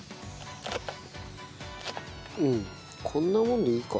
うんこんなもんでいいか。